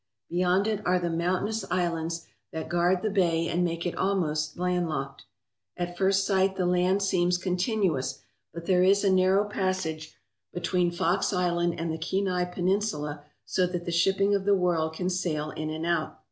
Beyond it are the moun tainous islands that guard the bay and make it almost landlocked. At first sight the land seems continuous, but there is a narrow passage between Fox Island and the Kenai Peninsula so that the shipping of the world can sail in and out.